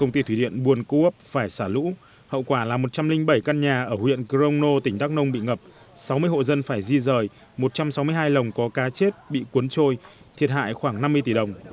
công ty thủy điện buôn cốp phải xả lũ hậu quả là một trăm linh bảy căn nhà ở huyện crono tỉnh đắk nông bị ngập sáu mươi hộ dân phải di rời một trăm sáu mươi hai lồng có cá chết bị cuốn trôi thiệt hại khoảng năm mươi tỷ đồng